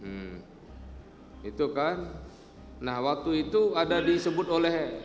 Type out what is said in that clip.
hmm itu kan nah waktu itu ada disebut oleh